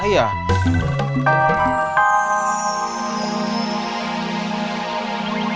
jangan samb grandmother